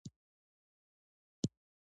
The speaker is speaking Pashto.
ادب د تمدن نښه ده.